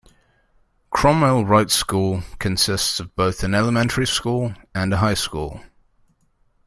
Cromwell-Wright School consists of both an elementary school and a high school.